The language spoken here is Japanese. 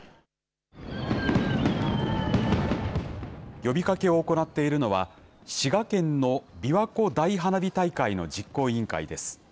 呼びかけを行っているのは滋賀県のびわ湖大花火大会の実行委員会です。